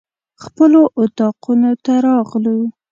خپلو اطاقونو ته راغلو.